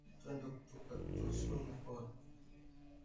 Twende tuka tshome pori